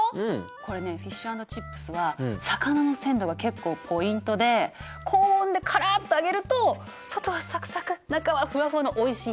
これねフィッシュ＆チップスは魚の鮮度が結構ポイントで高温でカラッと揚げると外はサクサク中はフワフワのおいしい